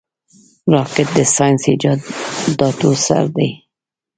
راکټ د ساینسي ایجاداتو سر دی